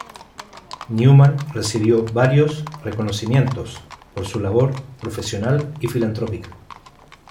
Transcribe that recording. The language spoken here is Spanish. Newman recibió varios reconocimientos por su labor profesional y filantrópica.